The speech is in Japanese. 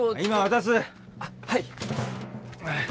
はい。